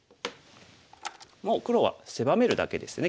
もう黒は狭めるだけですね。